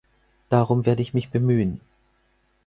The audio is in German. Darum werde mich bemühen.